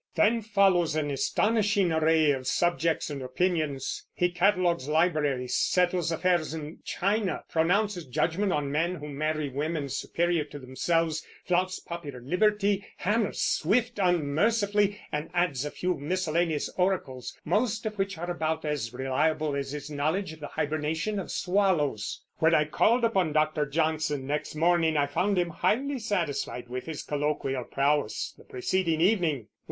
Then follows an astonishing array of subjects and opinions. He catalogues libraries, settles affairs in China, pronounces judgment on men who marry women superior to themselves, flouts popular liberty, hammers Swift unmercifully, and adds a few miscellaneous oracles, most of which are about as reliable as his knowledge of the hibernation of swallows. When I called upon Dr. Johnson next morning I found him highly satisfied with his colloquial prowess the preceding evening.